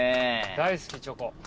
大好きチョコ。